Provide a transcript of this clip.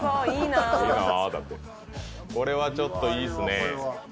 これはちょっといいッスね。